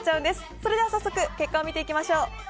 それでは早速結果を見ていきましょう。